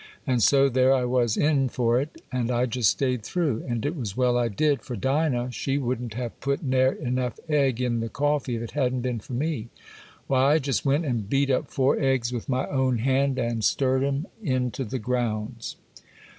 And so there I was in for it, and I just stayed through; and it was well I did, for Dinah, she wouldn't have put ne'er enough egg in the coffee if it hadn't been for me. Why, I just went and beat up four eggs with my own hand, and stirred 'em into the grounds.